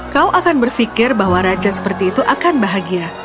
kau akan berpikir bahwa raja seperti itu akan bahagia